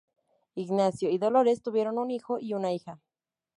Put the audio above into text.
Ignacio y Dolores tuvieron un hijo y una hija.